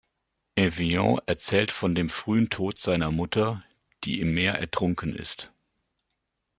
Evian erzählt von dem frühen Tod seiner Mutter, die im Meer ertrunken ist.